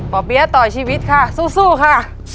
เปี๊ยะต่อชีวิตค่ะสู้ค่ะ